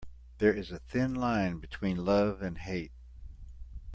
There is a thin line between love and hate.